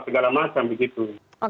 segala macam begitu